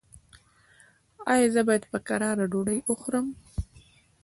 ایا زه باید په کراره ډوډۍ وخورم؟